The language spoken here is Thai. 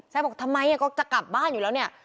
บอกทำไมก็จะกลับบ้านอยู่แล้วเนี่ย